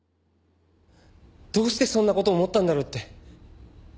どうしてそんな事思ったんだろうって